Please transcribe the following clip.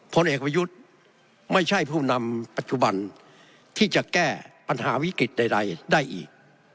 ผลเอกประยุทธ์ไม่ใช่ผู้นำปัจจุบันที่จะแก้ปัญหาวิกฤตใดได้อีก